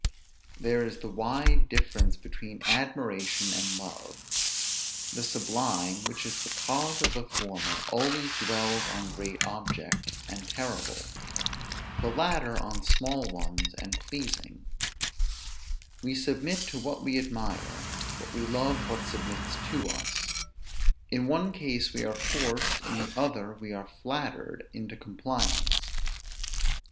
There is a wide difference between admiration and love. The sublime, which is the cause of the former, always dwells on great objects, and terrible; the latter on small ones, and pleasing; we submit to what we admire, but we love what submits to us; in one case we are forced, in the other we are flattered, into compliance.